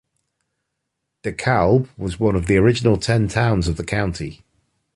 DeKalb was one of the original ten towns of the county.